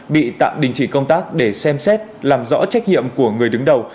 bị tạm đình chỉ công tác để xem xét làm rõ trách nhiệm của người đứng đầu